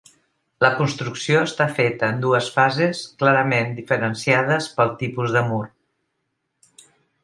La construcció està feta en dues fases clarament diferenciades pel tipus de mur.